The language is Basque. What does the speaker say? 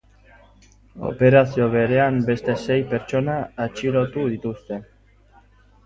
Operazio berean beste sei pertsona atxilotu dituzte.